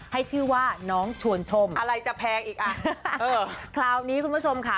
ให้ชื่อว่าน้องชวนชมอะไรจะแพงอีกอ่ะเออคราวนี้คุณผู้ชมค่ะ